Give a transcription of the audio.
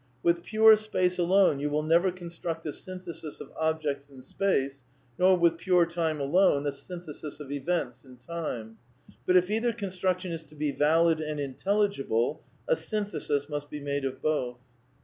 With pure space alone you will never construct a synthesis of objects in space, nor with pure time alone a synthesis of events in time ; but if either construction is to be valid and intelligible a synthesis must be made of both.